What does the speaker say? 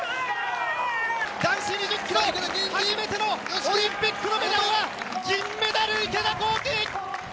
男子２０ｋｍ初めてのオリンピックのメダルは銀メダル、池田向希！